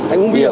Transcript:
anh uống bia